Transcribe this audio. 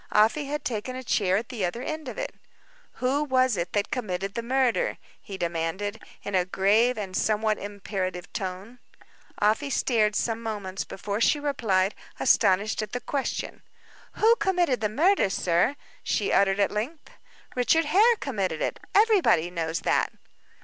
Afy had taken a chair at the other end of it. "Who was it that committed the murder?" he demanded, in a grave and somewhat imperative tone. Afy stared some moments before she replied, astonished at the question. "Who committed the murder, sir?" she uttered at length. "Richard Hare committed it. Everybody knows that."